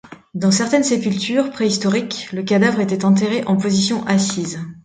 Dans certaines sépultures préhistoriques, le cadavre était enterré en position assise.